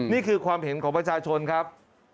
นี่คือความเห็นของประชาชนครับ